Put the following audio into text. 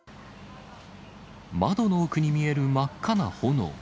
窓の奥に見える真っ赤な炎。